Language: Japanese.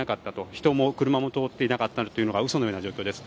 人も車も通っていなかったのが嘘のような状況です。